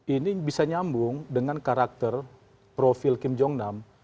ini bisa nyambung dengan karakter profil kim jong nam